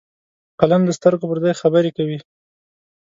قلم د سترګو پر ځای خبرې کوي